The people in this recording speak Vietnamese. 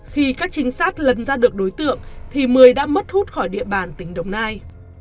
khi các trinh sát lần ra được đối tượng thì mười đã mất hút khỏi địa bàn tỉnh đồng nai